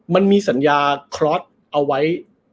มันมีสัญญาคลอสเอาไว้